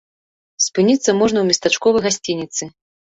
Спыніцца можна ў местачковай гасцініцы.